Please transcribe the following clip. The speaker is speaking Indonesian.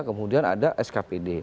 kemudian ada skpd